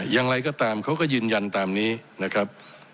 อย่างไรก็ตามเขาก็ยืนยันตามนี้นะครับ